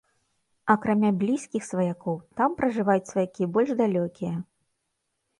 Акрамя блізкіх сваякоў, там пражываюць сваякі больш далёкія.